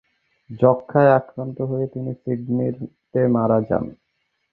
যক্ষ্মায় আক্রান্ত হয়ে তিনি সিডনিতে মারা যান।